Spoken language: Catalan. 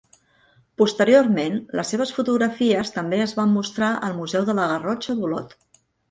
Posteriorment les seves fotografies també es van mostrar al Museu de la Garrotxa d'Olot.